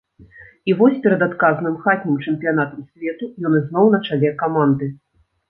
І вось перад адказным хатнім чэмпіянатам свету ён ізноў на чале каманды.